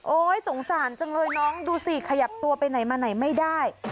สงสารจังเลยน้องดูสิขยับตัวไปไหนมาไหนไม่ได้